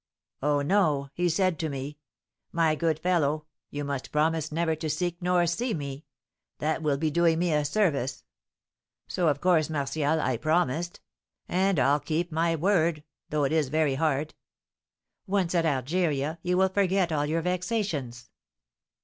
"Oh, no; he said to me, 'My good fellow, you must promise never to seek nor see me, that will be doing me a service.' So, of course, Martial, I promised; and I'll keep my word, though it is very hard." "Once at Algeria, you will forget all your vexations."